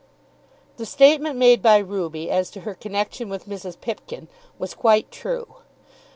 The statement made by Ruby as to her connection with Mrs. Pipkin was quite true.